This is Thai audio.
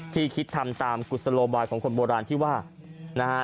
คิดทำตามกุศโลบายของคนโบราณที่ว่านะฮะ